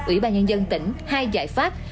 ủy ban nhân dân tỉnh hai giải pháp